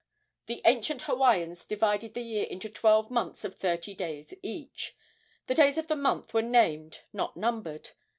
The ancient Hawaiians divided the year into twelve months of thirty days each. The days of the month were named, not numbered.